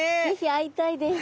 会いたいです。